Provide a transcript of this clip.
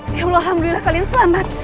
insya allah alhamdulillah kalian selamat